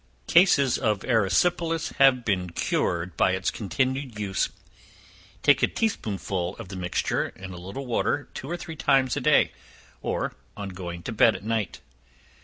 Cases of erysipelas have been cured by its continued use. Take a tea spoonful of the mixture, in a little water two or three times a day, or on going to bed at night.